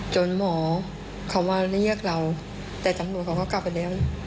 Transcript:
หมอเขามาเรียกเราแต่ตำรวจเขาก็กลับไปแล้ว